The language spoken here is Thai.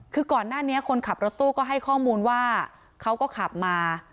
คือก่อนหน้านี้คนขับรถตู้ก็ให้ข้อมูลว่าเขาก็ขับมา